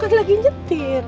kan lagi nyetir